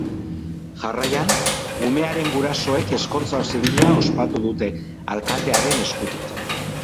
Jarraian, umearen gurasoek ezkontza zibila ospatu dute, alkatearen eskutik.